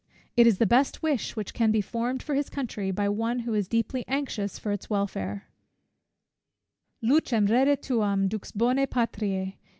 It is the best wish which can be formed for his country, by one who is deeply anxious for its welfare: Lucem redde tuam, dux bone, patriæ!